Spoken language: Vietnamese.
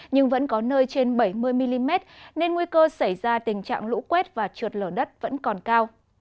nhưng vẫn có nơi trên bảy mươi mm nên nguy cơ xảy ra tình trạng lũ quét và trượt lở đất vẫn còn cao